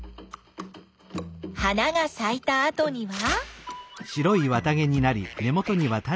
花がさいたあとには？